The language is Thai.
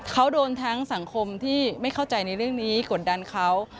เขาโดนทั้งสังคมที่ไม่เข้าใจในเรื่องนี้กดดันเขา